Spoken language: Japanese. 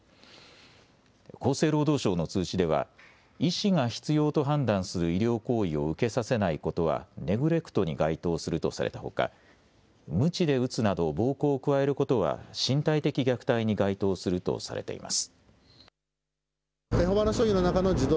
厚生労働省の通知では医師が必要と判断する医療行為を受けさせないことはネグレクトに該当するとされたほかむちで打つなど暴行を加えることは身体的虐待に該当するとされています。